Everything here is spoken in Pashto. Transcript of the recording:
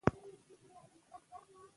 په خپلو پیسو شکر وباسئ.